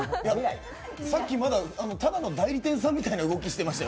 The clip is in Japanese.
さっきまだ、ただの代理店さんみたいな動きしていましたよ。